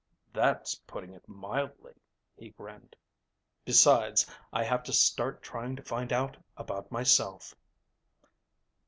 "That's putting it mildly," he grinned. "Besides, I have to start trying to find out about myself."